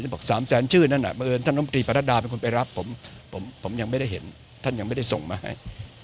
บอกสามแสนชื่อนั่นนะบังเอิญท่านนมตรีปรฎาดาเป็นคนไปรับผมยังไม่ได้ส่งมาให้